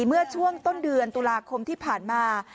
เมื่อช่วงต้นเดือนตุลาคมที่ผ่านมา